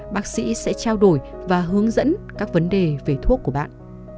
bác sĩ sẽ trao đổi và hướng dẫn các vấn đề về thuốc của bạn